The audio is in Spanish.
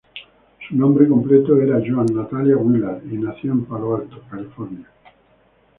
Su nombre completo era Joan Natalia Wheeler, y nació en Palo Alto, California.